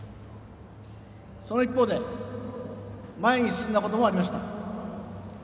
その一方で前に進んだこともありました。